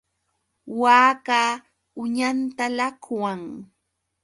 Waakaqa uñanta llaqwan.